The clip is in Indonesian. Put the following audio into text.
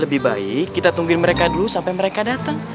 lebih baik kita tungguin mereka dulu sampai mereka datang